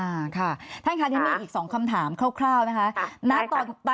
อ่าค่ะท่านค่ะทีนี้มีอีก๒คำถามคร่าวนะคะ